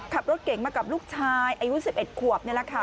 ขับรถเก่งมากับลูกชายอายุ๑๑ขวบนี่แหละค่ะ